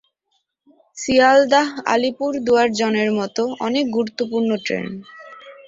সিয়ালদাহ-আলিপুরদুয়ার জনের মতো অনেক গুরুত্বপূর্ণ ট্রেন।